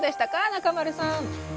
中丸さん